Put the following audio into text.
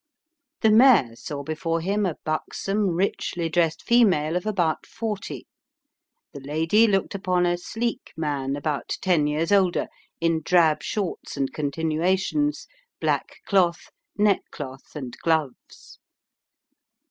The mayor saw before him a buxom richly dressed female of about forty ; the lady looked upon a sleek man, about ten years older, in drab shorts and continuations, black coat, neckcloth, and gloves.